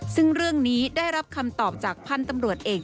ซึ่งเรื่องนี้ได้รับคำตอบจากพันธุ์ตำรวจเอก